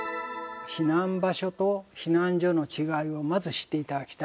避難場所と避難所の違いをまず知っていただきたい。